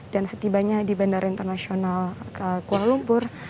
dan setibanya di bandara internasional kuala lumpur